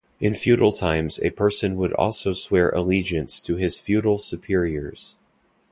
In feudal times a person would also swear allegiance to his feudal superiors.